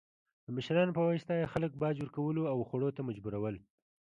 د مشرانو په واسطه یې خلک باج ورکولو او خوړو ته مجبورول.